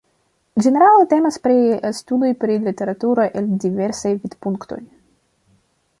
Ĝenerale temas pri studoj pri literaturo el diversaj vidpunktoj.